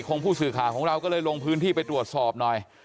ผู้สื่อข่าวของเราก็เลยลงพื้นที่ไปตรวจสอบหน่อย